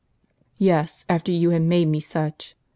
"Yes, after you had made me such.